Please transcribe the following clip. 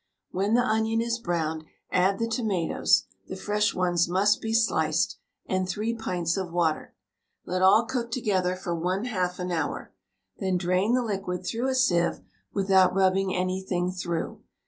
When the onion is browned, add the tomatoes (the fresh ones must be sliced) and 3 pints of water. Let all cook together for 1/2 an hour. Then drain the liquid through a sieve without rubbing anything through.